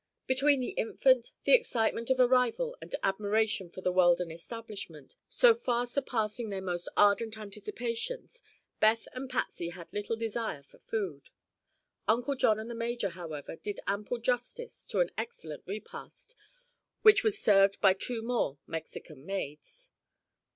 Between the infant, the excitement of arrival and admiration for the Weldon establishment, so far surpassing their most ardent anticipations, Beth and Patsy had little desire for food. Uncle John and the major, however, did ample justice to an excellent repast, which was served by two more Mexican maids.